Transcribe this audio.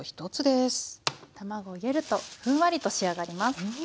卵を入れるとふんわりと仕上がります。